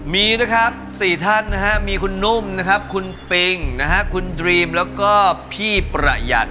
มีนะครับ๔ท่านนะฮะมีคุณนุ่มนะครับคุณปิงนะฮะคุณดรีมแล้วก็พี่ประหยัด